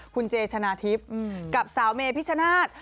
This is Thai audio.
คุณเจชนะทิพย์กับสาวเมพิชชนาธิ์